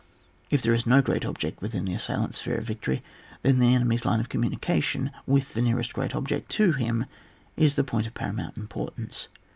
If there is no great object within the assailant's sphere of victory, then the enemy's line of communication with the nearest great object to him is the point of paramount importance.